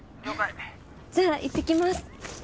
じゃあ行ってきます。